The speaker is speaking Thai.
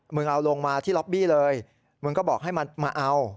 มึงเอาลงมาที่ล็อบบี้เลยมึงก็บอกให้มาเอา